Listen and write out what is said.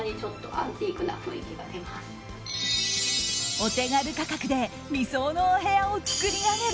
お手軽価格で理想のお部屋を作り上げる